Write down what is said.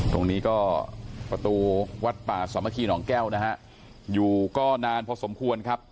ตรงนี้ก็ประตูวัดป่าสามัคคีหนองแก้วนะฮะอยู่ก็นานพอสมควรครับ